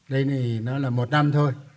đây này nó là một năm thôi